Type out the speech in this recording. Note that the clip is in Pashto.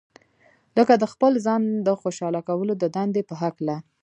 لکه د خپل ځان د خوشاله کولو د دندې په هکله.